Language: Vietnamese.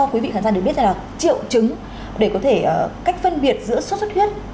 quý vị khán giả đều biết là triệu chứng để có thể cách phân biệt giữa sốt huyết